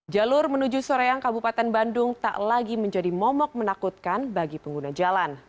jalur menuju soreang kabupaten bandung tak lagi menjadi momok menakutkan bagi pengguna jalan